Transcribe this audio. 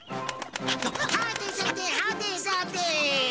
はてさてはてさて！